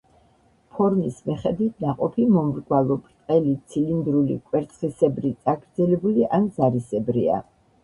ფორმის მიხედვით ნაყოფი მომრგვალო, ბრტყელი, ცილინდრული, კვერცხისებრი, წაგრძელებული ან ზარისებრია.